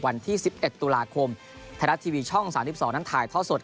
วันที่๑๑ตุลาคมไทยรัฐทีวีช่อง๓๒นั้นถ่ายท่อสด